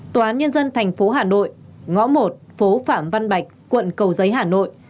tòa án nhân dân thành phố hà nội ngõ một phố phạm văn bạch quận cầu giấy hà nội